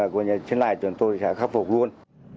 chúng tôi sẽ khắc phục luôn